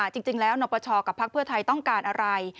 จริงแล้วนปชกับพักเพื่อไทยต้องการอะไร